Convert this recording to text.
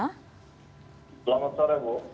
selamat sore bu